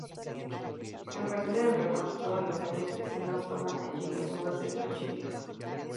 En frente del reloj todos los años vecinos toman allí las uvas en Nochevieja.